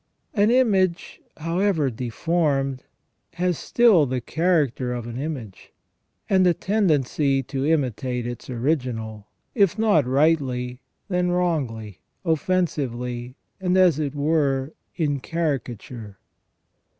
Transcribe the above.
An image however deformed has still the character of an image, and a tendency to imitate its original, if not rightly, then wrongly, offensively, and as it were in caricature.